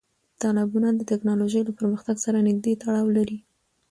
تالابونه د تکنالوژۍ له پرمختګ سره نږدې تړاو لري.